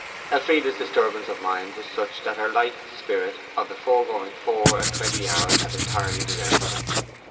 Elfride's disturbance of mind was such that her light spirits of the foregoing four and twenty hours had entirely deserted her.